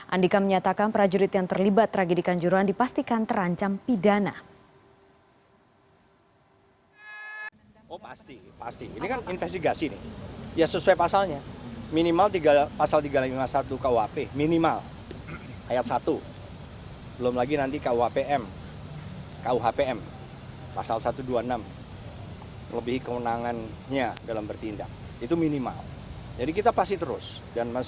andika menyatakan prajurit yang terlibat tragedikan juruhan dipastikan terancam pidana